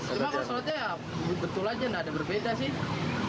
cuma perselatnya ya betul aja nggak ada berbeda sih